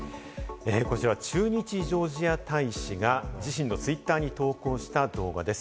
こちらは駐日ジョージア大使が自身のＴｗｉｔｔｅｒに投稿した動画です。